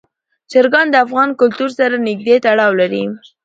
چرګان د افغان کلتور سره نږدې تړاو لري.